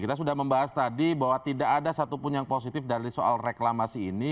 kita sudah membahas tadi bahwa tidak ada satupun yang positif dari soal reklamasi ini